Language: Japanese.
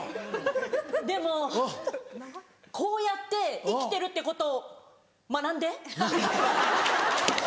でもこうやって生きてるってことを学んで。